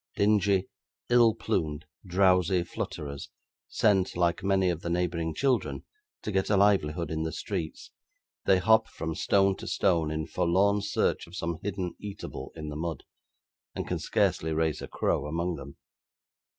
Dingy, ill plumed, drowsy flutterers, sent, like many of the neighbouring children, to get a livelihood in the streets, they hop, from stone to stone, in forlorn search of some hidden eatable in the mud, and can scarcely raise a crow among them.